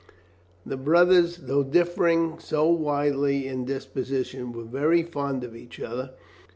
The brothers, though differing so widely in disposition, were very fond of each other.